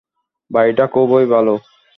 বাড়িটা খুবই ভালো।